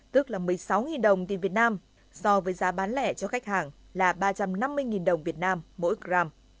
tức là một mươi sáu đồng tiền việt nam so với giá bán lẻ cho khách hàng là ba trăm năm mươi đồng việt nam mỗi gram